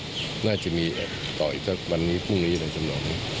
ก็อาจจะมีต่ออีกวันนี้พรุ่งนี้หลังจำนวน